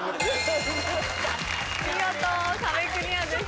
見事壁クリアです。